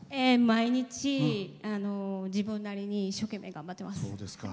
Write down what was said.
毎日、自分なりに一生懸命、頑張っています。